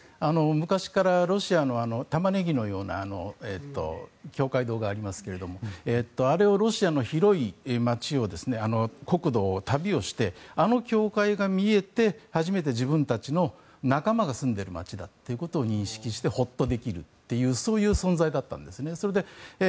昔からロシアのタマネギのような教会堂がありますけどあれをロシアの広い街を、国土を旅をしてあの教会が見えて初めて自分たちの仲間が住んでる街だということを認識してホッとできるというそういう存在だったんですね。